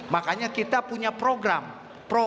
makanya kita punya memiliki kemampuan